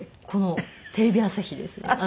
このテレビ朝日ですね。